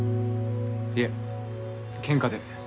いえケンカで。